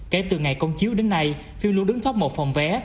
kể từ ngày công chiếu đến nay phim luôn đứng top một phòng vé